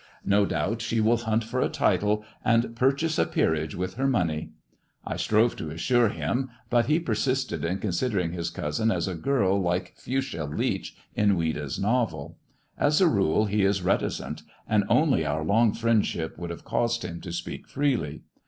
No doubt she will hunt for a title, and purchase a Peerage with her money.'' I strove to reassure him, but he persisted in considering his cousin as a girl like Fuschia Leach in Ouida's novel. As a rule he is reticent, and only our long friendship would have caused him to speak freely.